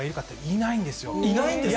いないんですか？